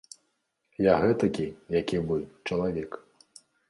Я гэтакі, як і вы, чалавек.